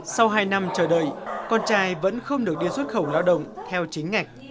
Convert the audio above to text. sau hai năm chờ đợi con trai vẫn không được đi xuất khẩu lao động theo chính ngạch